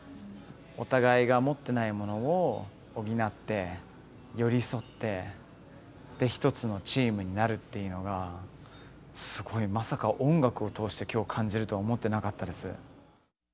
お互いが持ってないものを補って寄り添って一つのチームになるっていうのがすごいまさか音楽を通して今日感じるとは思ってなかったです。